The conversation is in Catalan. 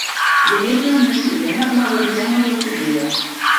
Dimecres na Sira i na Blau aniran a la Figuera.